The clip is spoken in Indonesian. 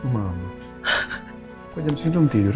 mama kok jam siapa tidur